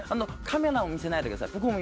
カメラも見せないでください。